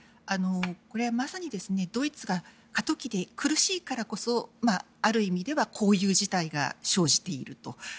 これはまさにドイツが過渡期で苦しいからこそある意味ではこういう事態が生じていると。